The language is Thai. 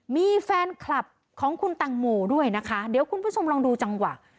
มีแฟนคลับของคุณตังโมด้วยนะคะเดี๋ยวคุณผู้ชมลองดูจังหวะ